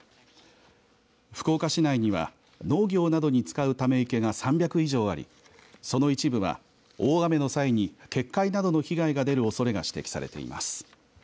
福岡市内には農業などに使うため池が３００以上ありその一部は、大雨の際に決壊などの被害が出るおそれが指摘されています。